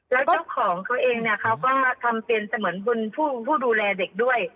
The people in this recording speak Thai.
แล้วเจ้าของเขาเองเนี่ยเขาก็มาทำเป็นเสมือนบุญผู้ดูแลเด็กด้วย